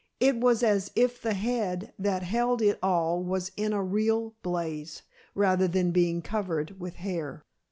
It was as if the head that held it all was in a real blaze, rather than being covered with hair.